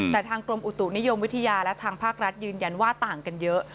แต่ทางกรมอุตุนิยมวิทยาและทางภาครัฐยืนยันว่าต่างกันเยอะ